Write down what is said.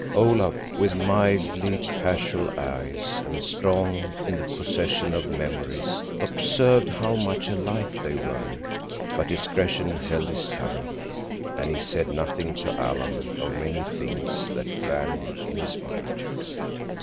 Olaf, with mildly casual eyes and strong in the possession of memories, observed how much alike they were, but discretion held his tongue, and he said nothing to Alan of many things that ran in his mind.